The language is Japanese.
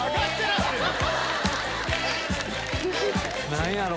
何やろ？